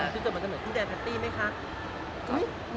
คิดว่ามันจะเหมือนพี่แดนพาตตี้ไหมคะ